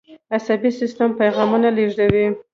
عصبي سیستم پیغامونه لیږدوي